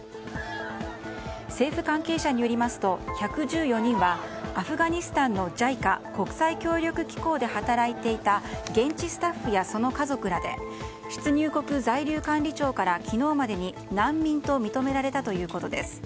政府関係者によりますと１１４人はアフガニスタンのＪＩＣＡ・国際協力機構で働いていた現地スタッフやその家族らで出入国在留管理庁から昨日までに難民と認められたということです。